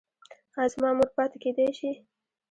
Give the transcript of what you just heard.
ایا زما مور پاتې کیدی شي؟